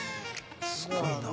すごいな。